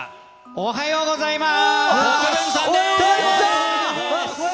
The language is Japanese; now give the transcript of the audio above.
おはようございます。